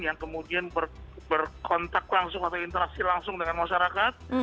yang kemudian berkontak langsung atau interaksi langsung dengan masyarakat